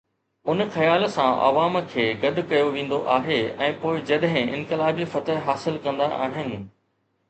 ان خيال سان عوام کي گڏ ڪيو ويندو آهي ۽ پوءِ جڏهن انقلابي فتح حاصل ڪندا آهن.